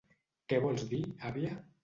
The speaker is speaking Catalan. Què vols dir, àvia?